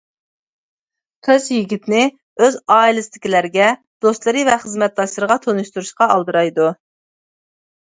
قىز يىگىتنى ئۆز ئائىلىسىدىكىلەرگە، دوستلىرى ۋە خىزمەتداشلىرىغا تونۇشتۇرۇشقا ئالدىرايدۇ.